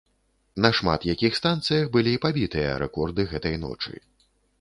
На шмат якіх станцыях былі пабітыя рэкорды гэтай ночы.